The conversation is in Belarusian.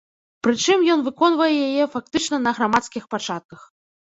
Прычым, ён выконвае яе фактычна на грамадскіх пачатках.